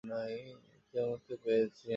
তিয়ামুতকে পেয়েছি আমি।